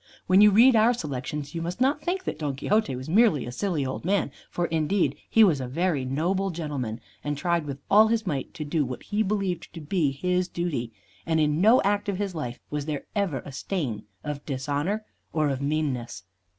When you read our selections you must not think that Don Quixote was merely a silly old man, for indeed he was a very noble gentleman and tried with all his might to do what he believed to be his duty, and in no act of his life was there ever a stain of dishonor or of meanness.